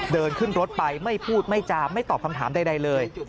เดินขึ้นรถไปไม่พูดไม่จามไม่ตอบคำถามใดเลย